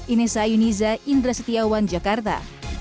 inessa yuniza indra setiawan jakarta